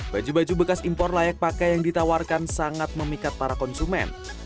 baju baju bekas impor layak pakai yang ditawarkan sangat memikat para konsumen